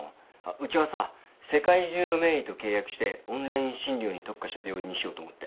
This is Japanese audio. うちはさ世界中の名医と契約してオンライン診療に特化した病院にしようと思って。